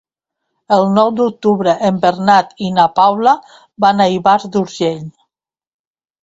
El nou d'octubre en Bernat i na Paula van a Ivars d'Urgell.